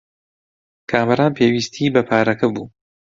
کامەران پێویستیی بە پارەکە بوو.